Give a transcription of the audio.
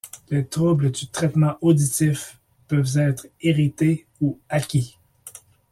Les troubles du traitement auditif peuvent être hérités ou acquis.